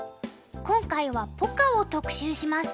今回はポカを特集します。